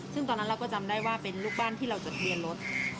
ซึ่งตอนนั้นเราก็จำได้ว่าเป็นลูกบ้านที่เราจดทะเบียนรถ